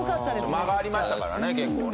間がありましたからね結構ね。